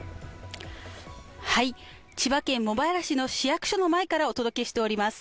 千葉県茂原市の市役所の前からお伝えしております。